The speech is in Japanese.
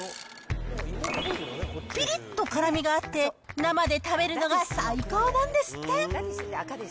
ぴりっと辛みがあって、生で食べるのが最高なんですって。